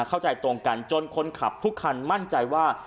เข้าใจตรงกันจนคนขับทุกคันมั่นใจว่า